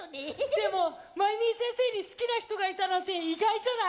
でもマイミー先生に好きな人がいたなんて意外じゃない？